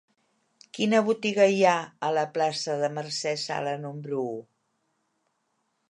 Quina botiga hi ha a la plaça de Mercè Sala número u?